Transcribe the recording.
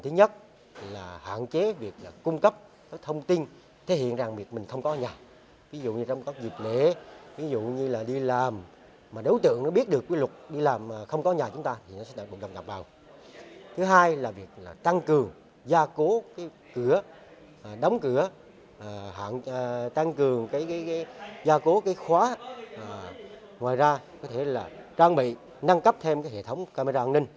năng cấp thêm hệ thống camera an ninh